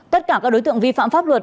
tất cả các đối tượng vi phạm pháp luật